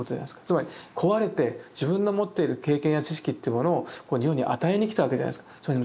つまり請われて自分の持っている経験や知識っていうものを日本に与えに来たわけじゃないですか。